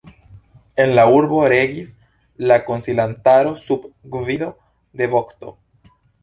En la urbo regis la konsilantaro sub gvido de vokto.